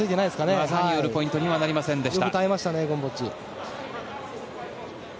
技によるポイントはありませんでした。